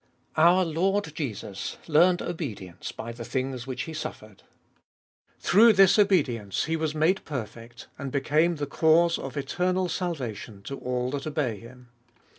OUR Lord Jesus learned obedience by the things which He suffered. Through this obedience He was made perfect, and became the cause of eternal salvation to all that obey Him.